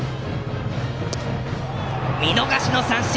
見逃し三振！